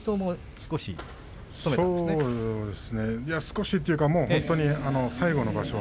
少しというか、もう本当に最後の場所。